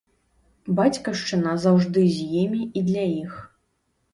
Бацькаўшчына заўжды з імі і для іх.